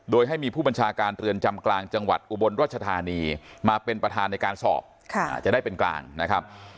โดยให้มีผู้บัญชาการเรือนจำกลางจังหวัดอุบลรัชธานีมาเป็นประธานในการสอบจะได้เป็นกลางนะครับ